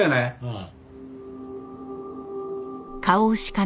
うん。